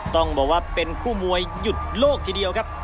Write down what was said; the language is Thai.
ต้องบอกว่าเป็นคู่มวยหยุดโลกทีเดียวครับ